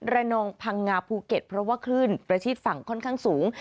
นองพังงาภูเก็ตเพราะว่าคลื่นประชิดฝั่งค่อนข้างสูง